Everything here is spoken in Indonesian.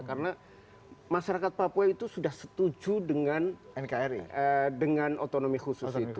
karena masyarakat papua itu sudah setuju dengan otonomi khusus itu